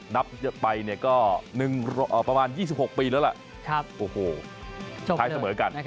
นับไปประมาณ๒๖ปีแล้วล่ะโอ้โหท้ายเสมอกัน